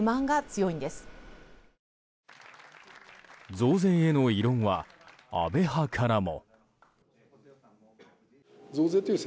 増税への異論は安倍派からも。